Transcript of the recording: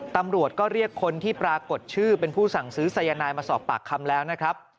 ตำรวจก็เรียกคนที่ปรากฏชื่อเป็นผู้สั่งซื้อสายนายมาสอบปากคำแล้วนะครับ